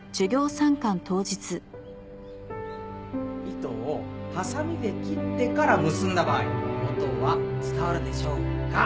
糸をはさみで切ってから結んだ場合音は伝わるでしょうか？